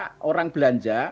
puncak orang belanja